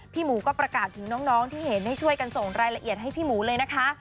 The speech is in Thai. หมูก็ประกาศถึงน้องที่เห็นให้ช่วยกันส่งรายละเอียดให้พี่หมูเลยนะคะ